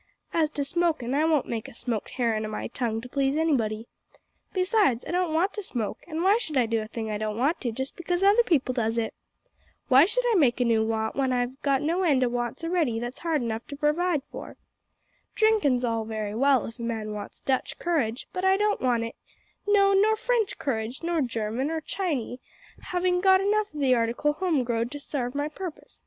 As to smokin', I won't make a smoked herrin' o' my tongue to please anybody. Besides, I don't want to smoke, an' why should I do a thing I don't want to just because other people does it? Why should I make a new want when I've got no end o' wants a'ready that's hard enough to purvide for? Drinkin's all very well if a man wants Dutch courage, but I don't want it no, nor French courage, nor German, nor Chinee, havin' got enough o' the article home growed to sarve my purpus.